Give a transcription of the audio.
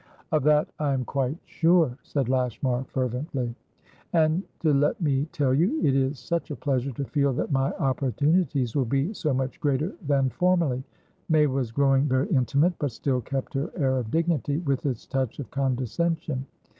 "Of that I am quite sure," said Lashmar, fervently. "Andto let me tell youit is such a pleasure to feel that my opportunities will be so much greater than formerly." May was growing very intimate, but still kept her air of dignity, with its touch of condescension.